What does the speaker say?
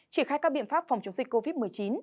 triển khai các biện pháp phòng chống dịch covid một mươi chín